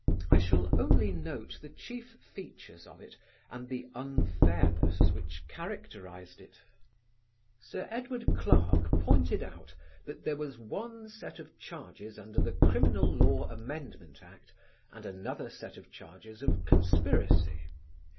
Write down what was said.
I shall only note the chief features of it and the unfairness which characterised it. Sir Edward Clarke pointed out that there was one set of charges under the Criminal Law Amendment Act and another set of charges of conspiracy.